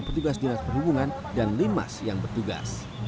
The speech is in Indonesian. petugas dinas perhubungan dan limas yang bertugas